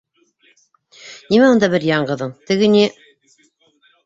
Нимә унда бер яңғыҙың, теге ни...